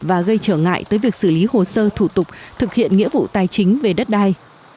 và gây trở ngại tới việc xử lý hồ sơ thủ tục thực hiện nghĩa vụ tài chính về đất đai